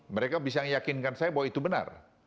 mereka bisa meyakinkan saya bahwa itu benar